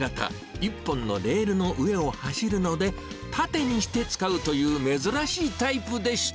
１本のレールの上を走るので、縦にして使うという珍しいタイプでした。